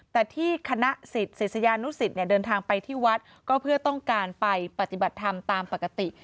แต่ที่คณะศิษยานุสิตเนี่ยเดินทางไปที่วัดก็เพื่อต้องการไปปฏิบัติธรรมตามปกติ